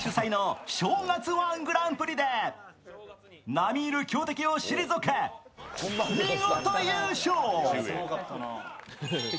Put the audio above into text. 並み居る強敵を退け見事優勝。